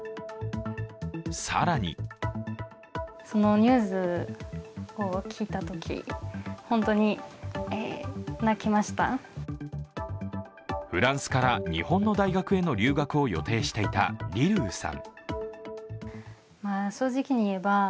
更にフランスから日本の大学への留学を予定していたリルーさん。